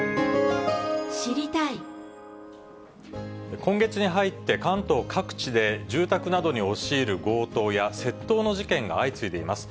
今月に入って、関東各地で住宅などに押し入る強盗や窃盗の事件が相次いでいます。